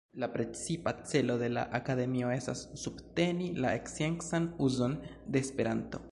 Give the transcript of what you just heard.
La precipa celo de la akademio estas subteni la sciencan uzon de Esperanto.